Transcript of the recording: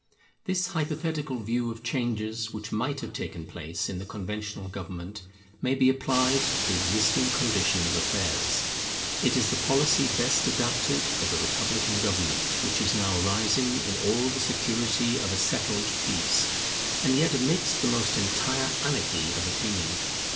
This hypothetical view of changes which might have taken place in the Conventional government, may be applied to the existing condition of affairs. It is the policy best adapted for the republican government which is now arising in all the security of a settled peace, and yet amidst the most entire anarchy of opinion.